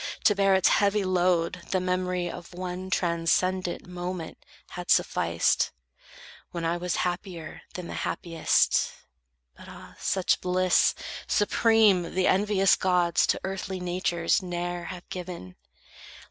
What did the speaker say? To bear its heavy load, the memory Of one transcendent moment had sufficed, When I was happier than the happiest, But, ah, such bliss supreme the envious gods To earthly natures ne'er have given!